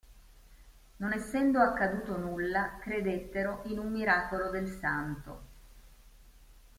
Non essendo accaduto nulla, credettero in un miracolo del Santo.